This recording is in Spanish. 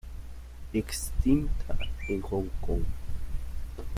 Extinta en Hong Kong.